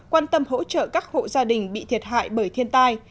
quan tâm hỗ trợ các hộ gia đình bị thiệt hại bởi thiên tai